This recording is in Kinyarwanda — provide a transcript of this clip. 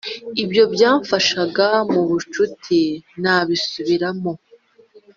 ibyo byafashaga mubucuti nabisubiramo.